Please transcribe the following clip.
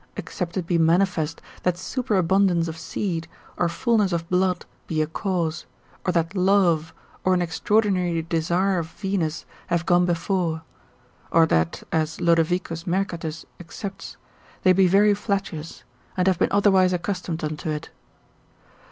except it be manifest that superabundance of seed, or fullness of blood be a cause, or that love, or an extraordinary desire of Venus, have gone before, or that as Lod. Mercatus excepts, they be very flatuous, and have been otherwise accustomed unto it.